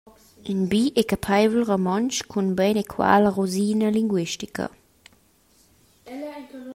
In bi e capeivel romontsch cun beinenqual rosina linguistica.